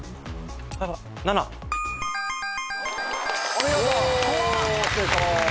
お見事！